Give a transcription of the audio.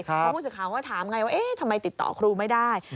เพราะผู้สื่อข่าวก็ถามไงว่าเอ๊ะทำไมติดต่อครูไม่ได้